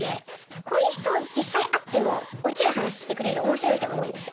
こういう人実際会っても落ちる話してくれるおもしろい人が多いんですよ。